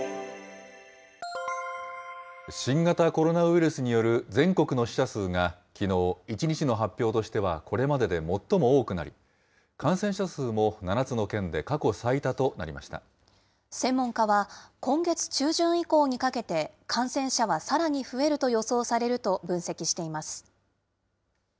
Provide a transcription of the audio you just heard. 新型コロナウイルスによる全国の死者数が、きのう、１日の発表としてはこれまでで最も多くなり、感染者数も７つの県専門家は、今月中旬以降にかけて、感染者はさらに増えると予想されると分析しています。